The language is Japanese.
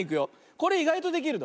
これいがいとできるの。